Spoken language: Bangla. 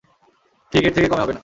ঠিক, এর থেকে কমে হবে না।